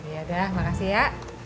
ya dah makasih ya